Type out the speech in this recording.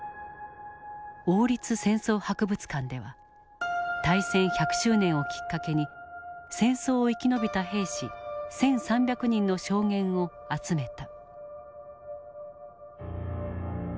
王立戦争博物館では大戦百周年をきっかけに戦争を生き延びた兵士１，３００人の証言を集めた。